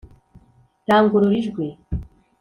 rangurura ijwi